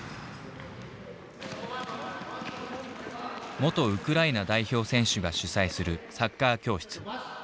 元ウクライナ代表選手が主催するサッカー教室。